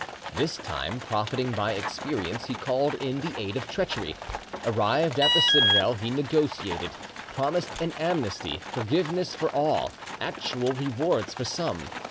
This time, profiting by experience, he called in the aid of treachery. Arrived at the citadel, he negotiated, promised an amnesty, forgiveness for all, actual rewards for some.